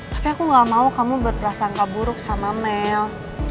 tapi aku gak mau kamu berprasangka buruk sama mel